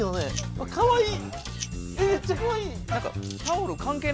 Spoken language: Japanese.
あかわいい。